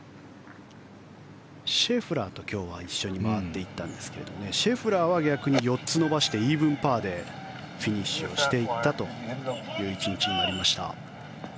シェフラーと今日は一緒に回っていったんですがシェフラーは逆に４つ伸ばしてイーブンパーでフィニッシュをしていったという１日になりました。